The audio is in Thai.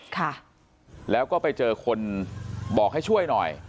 ค่ะแล้วก็ไปเจอคนบอกให้ช่วยหน่อย